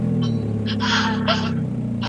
موږ کولای سو یو ځانګړی میتود وکاروو.